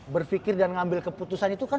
berpikir dan ngambil keputusan itu kan